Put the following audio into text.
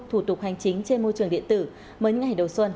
thủ tục hành chính trên môi trường điện tử mới những ngày đầu xuân